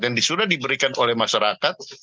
yang sudah diberikan oleh masyarakat